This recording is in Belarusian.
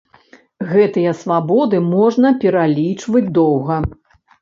Гэтыя свабоды можна пералічваць доўга.